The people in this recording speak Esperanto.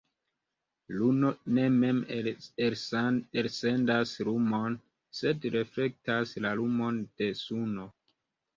Luno ne mem elsendas lumon, sed reflektas la lumon de Suno.